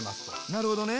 なるほどね。